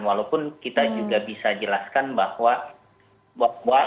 walaupun kita juga bisa jelaskan bahwa